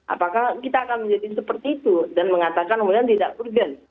apakah kita akan menjadi seperti itu dan mengatakan kemudian tidak urgent